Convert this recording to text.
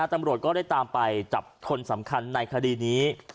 ตำรวจก็ได้ตามไปจับคนสำคัญในคดีนี้